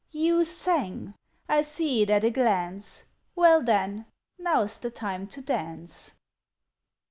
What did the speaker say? "You sang? I see it at a glance. Well, then, now's the time to dance."